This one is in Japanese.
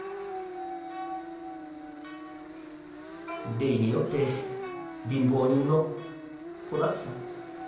「例によって貧乏人の子だくさん。